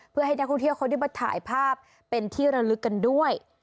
เพื่อให้นักท่องเที่ยวเขาได้มาถ่ายภาพเป็นที่ระลึกกันด้วย